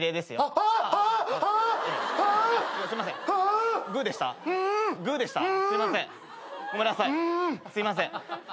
すいません。